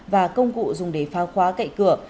và công cụ dùng để phá khóa cậy cửa